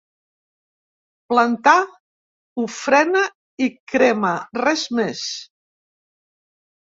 Plantà, ofrena i crema, res més.